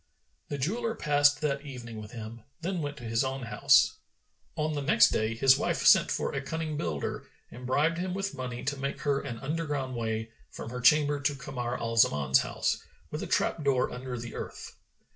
The jeweller passed that evening with him, then went to his own house. On the next day, his wife sent for a cunning builder and bribed him with money to make her an underground way[FN#423] from her chamber to Kamar al Zaman's house, with a trap door under the earth.